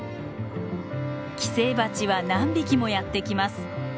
寄生バチは何匹もやってきます。